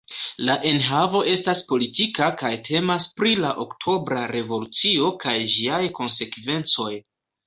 La enhavo estas politika kaj temas pri la Oktobra Revolucio kaj ĝiaj konsekvencoj.